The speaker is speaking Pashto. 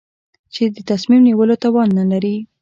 چې د تصمیم نیولو توان نه لري.